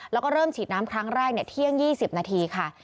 แล้วก็เริ่มฉีดน้ำครั้งแรกเที่ยง๒๐นาทีค่ะ